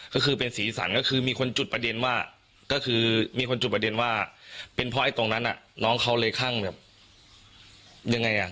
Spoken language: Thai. ก็คือเป็นสีสันก็คือมีคนจุดประเด็นว่าก็คือมีคนจุดประเด็นว่าเป็นเพราะไอ้ตรงนั้นน้องเขาเลยข้างแบบยังไงอ่ะ